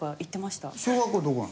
小学校どこなの？